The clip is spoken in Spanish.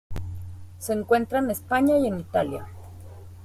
Se encuentra en España y en Italia.